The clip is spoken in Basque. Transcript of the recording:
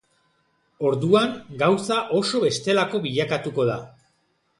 Orduan, gauza oso bestelako bilakatuko da.